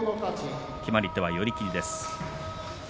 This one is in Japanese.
決まり手は寄り切りです。